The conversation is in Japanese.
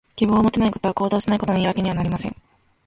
希望を持てないことは、行動しないことの言い訳にはなりません。